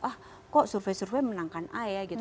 ah kok survei survei menangkan a ya gitu